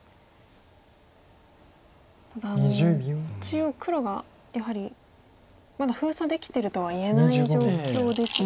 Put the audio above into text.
ただ中央黒がやはりまだ封鎖できてるとはいえない状況ですよね。